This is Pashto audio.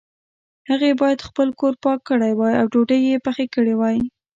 هغې باید خپل کور پاک کړی وای او ډوډۍ یې پخې کړي وای